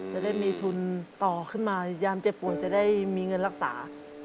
จะได้มีทุนต่อขึ้นมายามเจ็บป่วยจะได้มีเงินรักษา